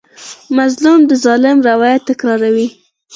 مظلوم د ظالم روایت تکراروي.